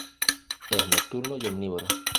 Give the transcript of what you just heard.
Es nocturno y omnívoro.